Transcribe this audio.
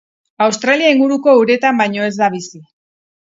Australia inguruko uretan baino ez da bizi.